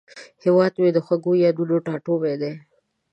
هیواد مې د خوږو یادونو ټاټوبی دی